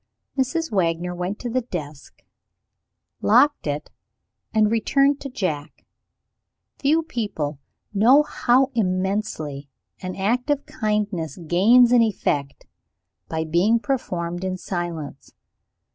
Mrs. Wagner went to the desk, locked it, and returned to Jack. Few people know how immensely an act of kindness gains in effect, by being performed in silence.